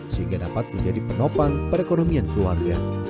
sehingga dapat menjadi penopang perekonomian keluarga